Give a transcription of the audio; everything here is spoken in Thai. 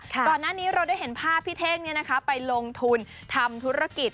ก่อนหน้านี้เราได้เห็นภาพพี่เท่งไปลงทุนทำธุรกิจ